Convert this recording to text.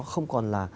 không còn là